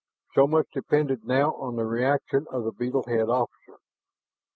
So much depended now on the reaction of the beetle head officer.